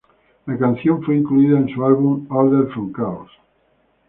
La canción fue incluida en su álbum, "Order from Chaos".